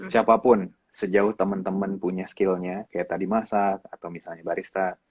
siapapun sejauh teman teman punya skillnya kayak tadi masak atau misalnya barista